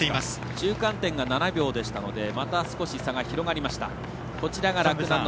中間点が７秒でしたのでまた少し差が広がりました。